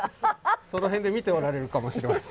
その辺で見ておられるかもしれません。